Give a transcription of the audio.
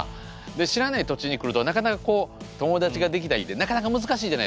知らない土地に来るとなかなかこう友達ができたりってなかなか難しいじゃないですか。